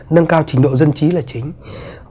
nâng cao trình độ dân trí là chính trị của chúng tôi